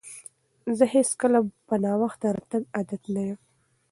زه هیڅکله په ناوخته راتګ عادت نه یم.